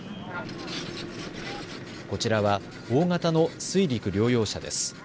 こちらは大型の水陸両用車です。